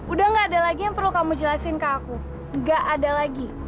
udah gak ada lagi yang perlu kamu jelasin ke aku gak ada lagi